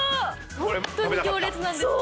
ホントに行列なんです。